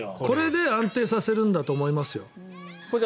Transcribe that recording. これで安定させるんだと思いますよ。